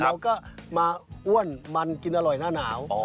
เราก็มาอ้วนมันกินอร่อยหน้าหนาว